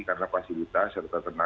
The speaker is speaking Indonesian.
karena fasilitas serta tenaga